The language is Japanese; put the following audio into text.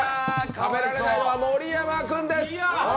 食べられないのは盛山君です！